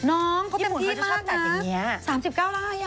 น้องเขาเต็มที่มากนะญี่ปุ่นเขาจะชอบจัดอย่างนี้